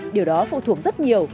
điều đó phụ thuộc rất nhiều